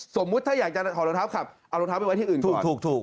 สมมุติถ้าอยากจะถอดรองเท้าขับเอารองเท้าไปไว้ที่อื่นถูก